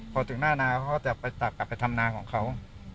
พอถึงหน้านาเค้าจะกลับไปทำนาของเค้า